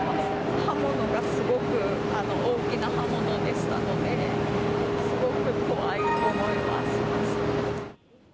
刃物がすごく大きな刃物でしたので、すごく怖いと思いました。